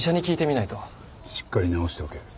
しっかり治しておけ。